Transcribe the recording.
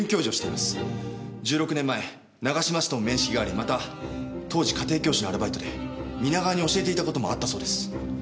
１６年前永嶋氏とも面識がありまた当時家庭教師のアルバイトで皆川に教えていた事もあったそうです。